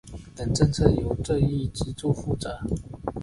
等政策由这一支柱负责。